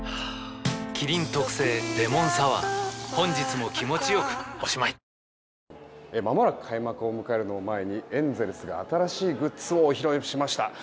麒麟特製レモンサワーまもなく開幕を迎えるのを前にエンゼルスが新しいグッズをお披露目しました。